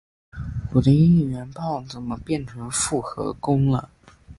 我的应援棒怎么变成复合弓了？